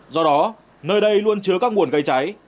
do đó nơi đây luôn chứa các nguồn gây cháy